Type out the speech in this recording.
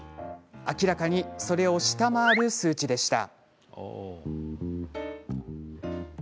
明らかにそれを下回る数値でした。